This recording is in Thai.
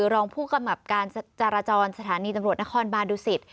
รองผู้กำกับการจราจรสถานีตำรวจนครบานดุสิต